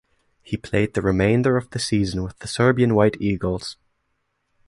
He played the remainder of the season with the Serbian White Eagles.